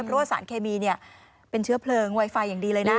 เพราะว่าสารเคมีเป็นเชื้อเพลิงไวไฟอย่างดีเลยนะ